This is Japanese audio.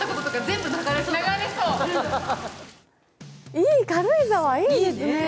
いい、軽井沢いいですね。